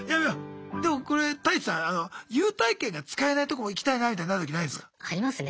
でもこれタイチさん優待券が使えないとこも行きたいなみたいになる時ないすか？